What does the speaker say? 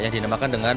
yang dinamakan dengan